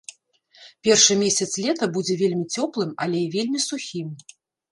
Першы месяц лета будзе вельмі цёплым, але і вельмі сухім.